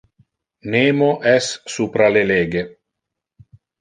Nemo es supra le lege.